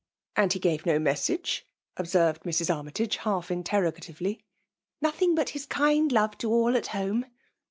'' And he gsre bo Message ?" observed Mrs. Armytage, half interrogatively. Nothing bat his Idnd love to all at hmne."